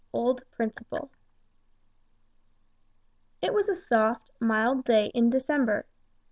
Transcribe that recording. XIII OLD PRINCIPLE It was a soft, mild day in December.